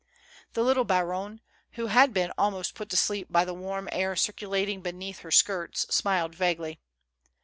The little baronne, who had been almost put to sleep by the warm air circulating beneath her skirts, smiled vaguely.